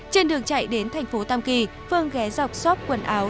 trên đường chạy đến thành phố tam kỳ phương ghé dọc xót quần áo